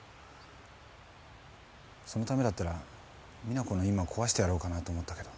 そのためだったら実那子の今壊してやろうかなと思ったけど。